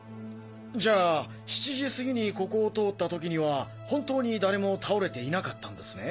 じゃあ７時過ぎにここを通った時には本当に誰も倒れていなかったんですね？